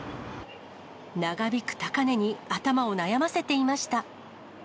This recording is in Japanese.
長引く高値に頭を悩ませていました。